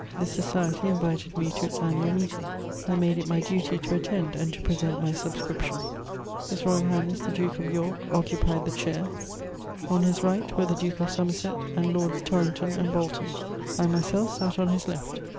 This society invited me to its annual meeting; I made it my duty to attend and to present my subscription. H.R.H. the Duke of York occupied the chair; on his right were the Duke of Somerset and Lords Torrington and Bolton; I myself sat on his left.